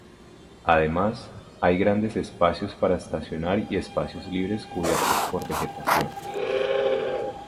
Además, hay grandes espacios para estacionar y espacios libres cubiertos por vegetación.